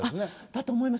だと思います。